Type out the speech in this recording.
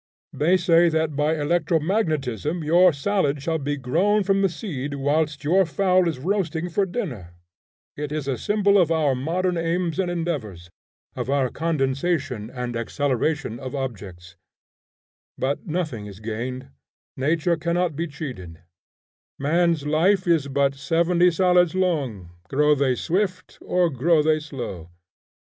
They say that by electro magnetism your salad shall be grown from the seed whilst your fowl is roasting for dinner; it is a symbol of our modern aims and endeavors, of our condensation and acceleration of objects; but nothing is gained; nature cannot be cheated; man's life is but seventy salads long, grow they swift or grow they slow.